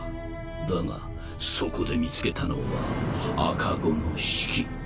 だがそこで見つけたのは赤子のシキ。